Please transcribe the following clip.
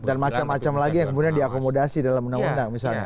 dan macam macam lagi yang kemudian diakomodasi dalam undang undang misalnya